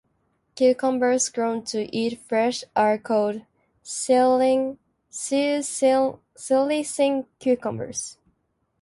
Cucumbers grown to eat fresh are called slicing cucumbers.